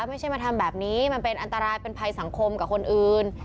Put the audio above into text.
ไม่ใช่มาทำแบบนี้มันเป็นอันตรายเป็นภัยสังคมกับคนอื่น